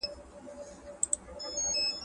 که وخت وي، اوبه پاکوم،